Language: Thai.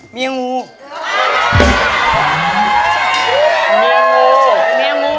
เมียงู